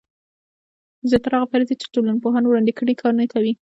زیاتره هغه فرضیې چې ټولنپوهانو وړاندې کړي کار نه ورکوي.